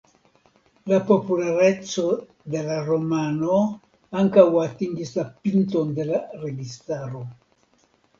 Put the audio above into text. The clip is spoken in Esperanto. La populareco de la romano ankaŭ atingis la pinton de la registaro.